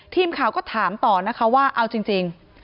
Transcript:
ทีมข่าวก็ถามต่อนะคะว่าเอาจริง